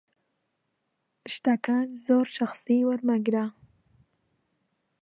شتەکان زۆر شەخسی وەرمەگرە.